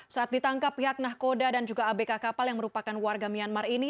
saat ditangkap pihak nahkoda dan juga abk kapal yang merupakan warga myanmar ini